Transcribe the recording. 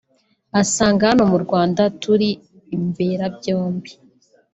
asanga hano mu Rwanda turi Imberabyombi